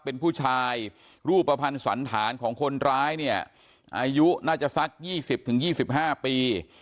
เป็นผู้ชายรูปภัณฑ์สวรรค์ฐานของคนร้ายเนี่ยอายุน่าจะสักยี่สิบถึงยี่สิบห้าปี